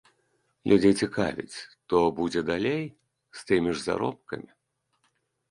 Людзей цікавіць, то будзе далей, з тымі ж заробкамі.